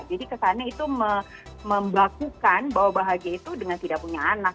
jadi kesannya itu membakukan bahwa bahagia itu dengan tidak punya anak